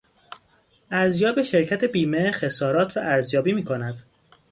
ارزیاب شرکت بیمه خسارات را ارزیابی میکند.